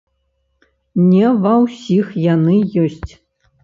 Не ва ўсіх яны ёсць.